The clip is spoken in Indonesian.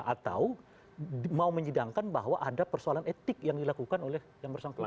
atau mau menyidangkan bahwa ada persoalan etik yang dilakukan oleh yang bersangkutan